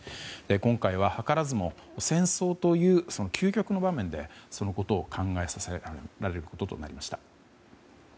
今回は図らずも戦争という究極の場面でそのことを考えさせられることとなりました。